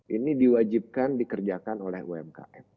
ini diwajibkan dikerjakan oleh umkm